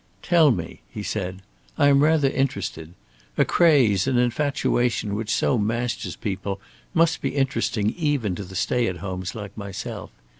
"Tell me!" he said. "I am rather interested. A craze, an infatuation which so masters people must be interesting even to the stay at homes like myself.